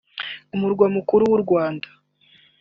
Umurwa Mukuru w’u Rwanda